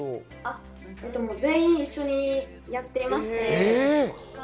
全員一緒にやっていました。